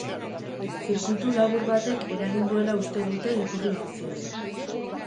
Zirkuitulabur batek eragin duela uste dute iturri ofizialek.